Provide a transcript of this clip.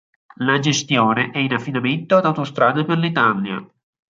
La gestione è in affidamento ad "Autostrade per l'Italia".